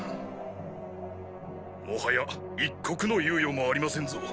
もはや一刻の猶予もありませんぞ。